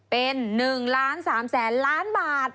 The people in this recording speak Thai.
เป็น๑ล้าน๓แสนล้านบาท